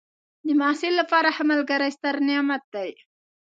د محصل لپاره ښه ملګری ستر نعمت دی.